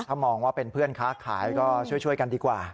ถ้ามองว่าเป็นเพื่อนค้าขายก็ช่วยกันดีกว่า